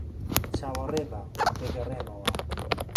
چاوەڕێبە. دەگەڕێمەوە.